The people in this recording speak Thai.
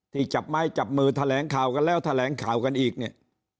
จับไม้จับมือแถลงข่าวกันแล้วแถลงข่าวกันอีกเนี่ย